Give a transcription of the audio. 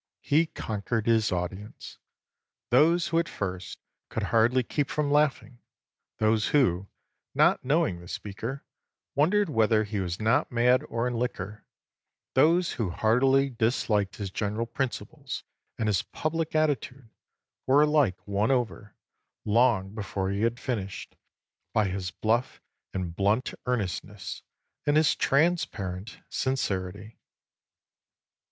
He conquered his audience. Those who at first could hardly keep from laughing, those who, not knowing the speaker, wondered whether he was not mad or in liquor, those who heartily disliked his general principles and his public attitude, were alike won over, long before he had finished, by his bluff and blunt earnestness and his transparent sincerity."